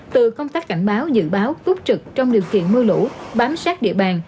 từ công tác cảnh báo dự báo tốt trực trong điều kiện mưa lũ bám sát địa bàn